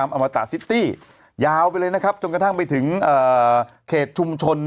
อามาตาซิตี้ยาวไปเลยนะครับจนกระทั่งไปถึงเอ่อเขตชุมชนหมู่๘